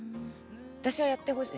私はやってほしい。